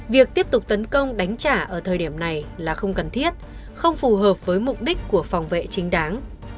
việc tiếp tục tấn công đánh trả ở thời điểm này là không cần thiết không phù hợp với mục đích của phòng vệ chính đáng